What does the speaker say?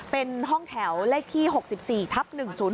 เป็นห้องแถวเลขที่๖๔ทับ๑๐๔